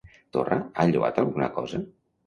Torra ha lloat alguna cosa?